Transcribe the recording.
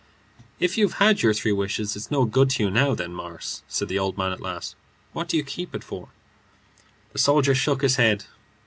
"If you've had your three wishes, it's no good to you now, then, Morris," said the old man at last. "What do you keep it for?" The soldier shook his head.